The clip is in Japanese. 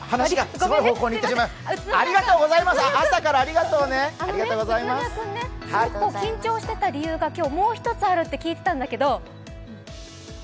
宇都宮君、すごく緊張していた理由が今日、もう一つあるって聞いてたんだけど。